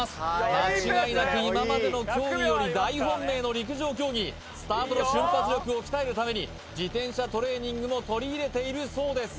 間違いなく今までの競技より大本命の陸上競技スタートの瞬発力を鍛えるために自転車トレーニングも取り入れているそうです